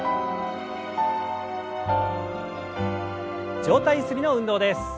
上体ゆすりの運動です。